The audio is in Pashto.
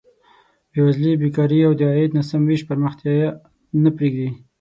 بېوزلي، بېکاري او د عاید ناسم ویش پرمختیا نه پرېږدي.